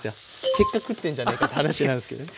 結果食ってんじゃねぇかって話なんですけどね。